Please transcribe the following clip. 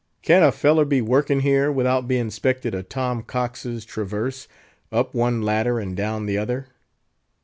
"Can't a feller be workin' here, without being 'spected of Tom Coxe's traverse, up one ladder and down t'other?"